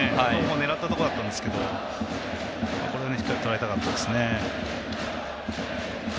狙ったところだったんですけどしっかりとらえたかったですね。